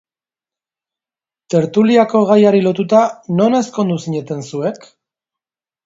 Tertuliako gaiari lotuta, non ezkondu zineten zuek?